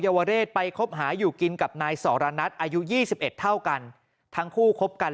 วเรศไปคบหาอยู่กินกับนายสรณัทอายุ๒๑เท่ากันทั้งคู่คบกัน